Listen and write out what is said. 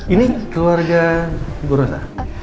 ini keluarga bu rosa